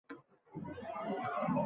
Qushlar galasiga ko’zing tushadi.